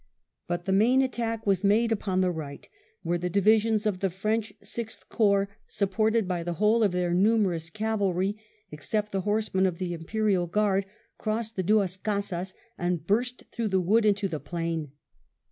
But the main attack was made upon the rightj where the divisions of the French Sixth Corps, supported by the whole of their numerous cavalry, except the horsemen of the Imperial Guard, crossed the Duas Casas and burst through the wood into the plain.